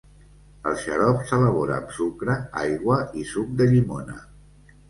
El xarop s'elabora amb sucre, aigua i suc de llimona.